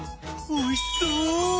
おいしそう！